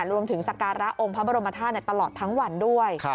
สการะองค์พระบรมธาตุตลอดทั้งวันด้วย